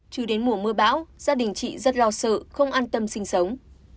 chứ đến mùa mưa bão gia đình chị rất lo sợ không an tâm sinh sống